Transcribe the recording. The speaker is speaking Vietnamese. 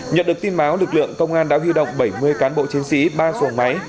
nhận được tin báo lực lượng công an đã huy động bảy mươi cán bộ chiến sĩ ba xuồng máy